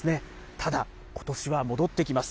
ただ、ことしは戻ってきます。